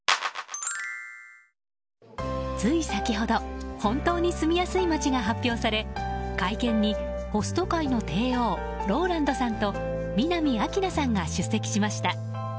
つい先ほど本当に住みやすい街が発表され会見にホスト界の帝王ＲＯＬＡＮＤさんと南明奈さんが出席しました。